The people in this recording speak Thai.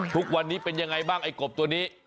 ทุกวันนี้เป็นยังไงบ้างไอ้กบตัวนี้